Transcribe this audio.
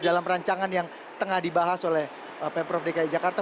dalam rancangan yang tengah dibahas oleh pemprov dki jakarta